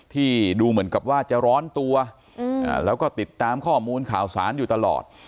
ที่ดูเหมือนกับว่าจะร้อนตัวแล้วก็ติดตามข้อมูลข่าวสารอยู่ตลอด